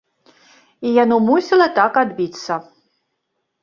І яно мусіла так адбіцца.